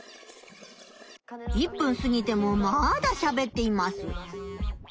１分すぎてもまだしゃべっています。